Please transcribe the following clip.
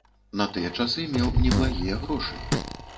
На тыя часы меў неблагія грошы.